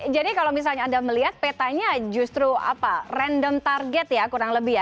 jadi kalau misalnya anda melihat petanya justru apa random target ya kurang lebih ya